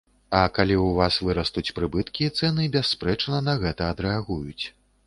А калі ў вас вырастуць прыбыткі, цэны, бясспрэчна, на гэта адрэагуюць!